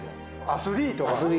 アスリート。